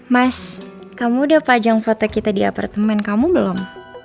mas kamu udah pajang foto kita di apartemen kamu belum